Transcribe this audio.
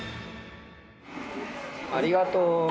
ありがとう。